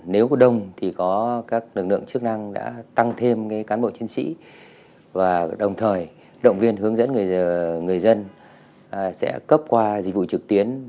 nếu có đông thì có các lực lượng chức năng đã tăng thêm cán bộ chiến sĩ và đồng thời động viên hướng dẫn người dân sẽ cấp qua dịch vụ trực tuyến